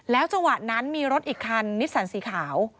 จังหวะนั้นมีรถอีกคันนิสสันสีขาว